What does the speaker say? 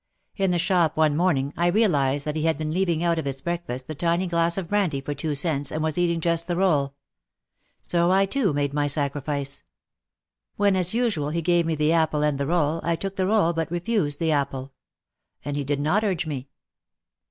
In the shop one morning I realised that he had been leaving out of his breakfast the tiny glass of brandy for two cents and was eating just the roll. So I too made my sacrifice. When as usual he gave me the apple and the roll, I took the roll but refused the apple. And he did not urge me.